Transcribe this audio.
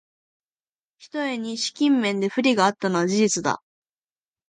ひとえに資金面で不利があったのは事実だ